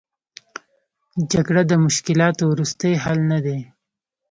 جګړه د مشکلاتو وروستۍ حل نه دی.